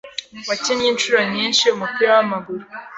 Wakinnye inshuro nyinshi umupira wamaguru